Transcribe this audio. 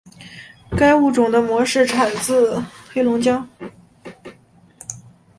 该物种的模式产地在黑龙江。